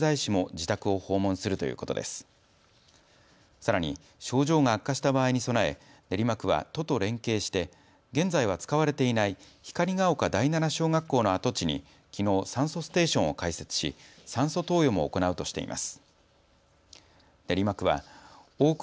さらに症状が悪化した場合に備え練馬区は都と連携して現在は使われていない光が丘第七小学校の跡地にきのう酸素ステーションを開設し酸素投与も行うとしています。